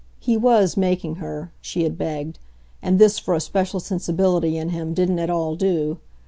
He WAS making her she had begged; and this, for a special sensibility in him, didn't at all do.